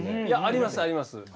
いやありますあります。